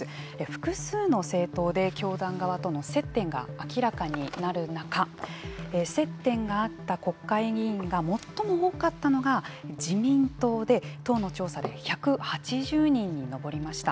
複数の政党で教団側との接点が明らかになる中接点があった国会議員が最も多かったのが自民党で党の調査で１８０人に上りました。